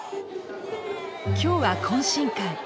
今日は懇親会。